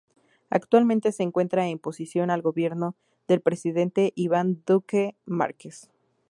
Actualmente se encuentra en oposición al gobierno del presidente Ivan Duque Márquez.